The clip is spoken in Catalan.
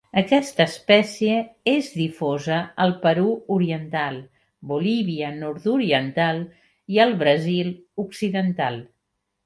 Aquesta espècie és difosa al Perú oriental, Bolívia nord-oriental i el Brasil occidental.